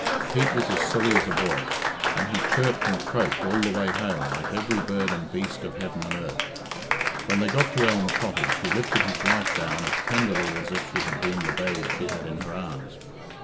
Pete was as silly as a boy, and he chirped and croaked all the way home like every bird and beast of heaven and earth. When they got to Elm Cottage, he lifted his wife down as tenderly as if she had been the babe she had in her arms.